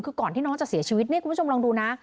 คือก่อนที่น้องจะเสียชีวิตเนี่ยคุณผู้ชมลองดูนะ